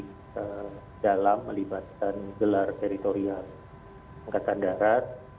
yang ketiga dalam melibatkan gelar teritorial angkatan darat